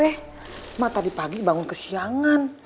emak tadi pagi bangun ke siangan